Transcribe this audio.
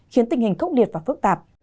khiến tình hình khốc điệt và phức tạp